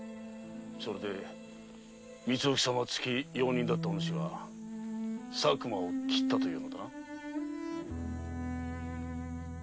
それで光意様付き用人だったおぬしは佐久間を斬ったというのだな？